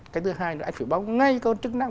cái thứ hai là anh phải báo ngay cho con chức năng